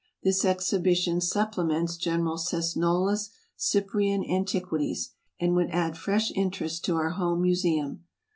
This exhibition supplements General Cesnola's Cyprian an tiquities, and would add fresh interest to our home museum.